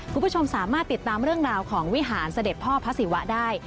คุณผู้ชมสามารถติดตามเรื่องราวของวิหารเสด็จพ่อพระศิวะได้